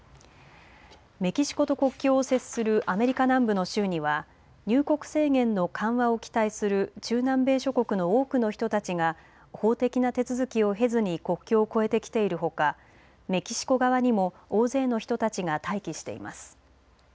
メキシコと国境を接するアメリカ南部の州には入国制限の緩和を期待する中南米諸国の多くの人たちが法的な手続きを経ずに国境を越えてきているほかメキシコ側にも大勢の人たちが待機しています。